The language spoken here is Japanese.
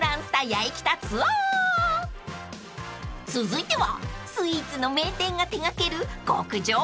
［続いてはスイーツの名店が手掛ける極上パフェ］